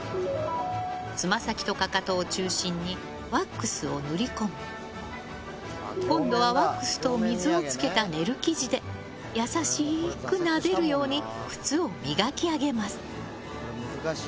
つま先とかかとを中心にワックスを塗り込み今度はワックスと水をつけたネル生地で優しくなでるように靴を磨き上げます。